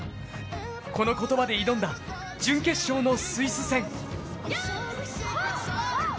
この言葉で挑んだ準決勝のスイス戦。